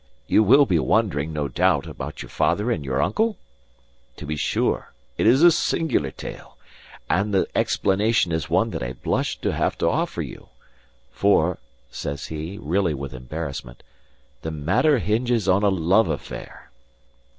You will be wondering, no doubt, about your father and your uncle? To be sure it is a singular tale; and the explanation is one that I blush to have to offer you. For," says he, really with embarrassment, "the matter hinges on a love affair."